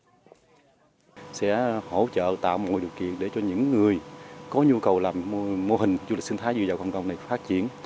tuy nhiên mô hình này sẽ hỗ trợ tạo mọi điều kiện để cho những người có nhu cầu làm mô hình du lịch sinh thái vừa vào cộng đồng này phát triển